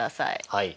はい。